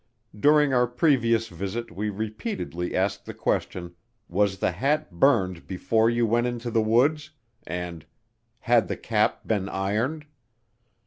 During our previous visit we repeatedly asked the question, "Was the hat burned before you went into the woods?" and, "Had the cap been ironed?"